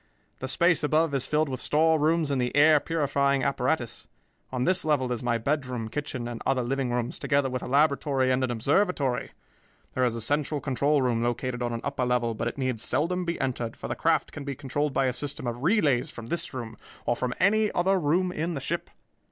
The space above is filled with storerooms and the air purifying apparatus. On this level is my bedroom, kitchen, and other living rooms, together with a laboratory and an observatory. There is a central control room located on an upper level, but it need seldom be entered, for the craft can be controlled by a system of relays from this room or from any other room in the ship.